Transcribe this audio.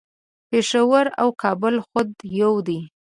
پیښور او کابل خود یو دي